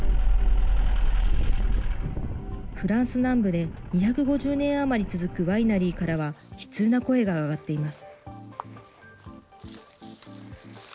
フランス南部で２５０年余り続くワイナリーからは、悲痛な声が上がっています。